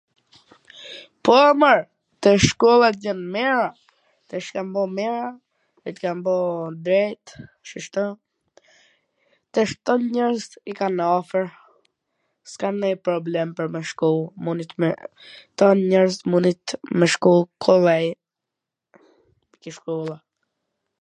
Po, mor, tash shkollat jan t mira, tash jan bo t mira, jan bo drejt, shishto, tash kan njerzt i kan afwr, s kan nonj problem pwr me shku ... munit me... tan njerzt munit me shku kollaj... ke shkolla.